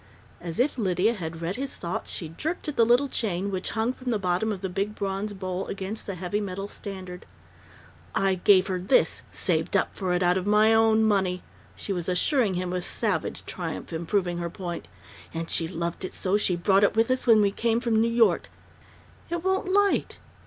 As if Lydia had read his thoughts, she jerked at the little chain which hung from the bottom of the big bronze bowl against the heavy metal standard. "I gave her this saved up for it out of my own money!" she was assuring him with savage triumph in proving her point. "And she loved it so she brought it with us when we came from New York It won't light!